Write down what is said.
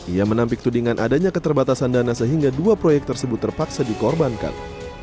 ia menampik tudingan adanya keterbatasan dana sehingga dua proyek tersebut terpaksa dikorbankan